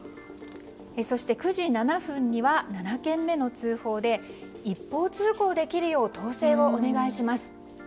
そして９時７分には７件目の通報で一方通行できるよう統制をお願いします。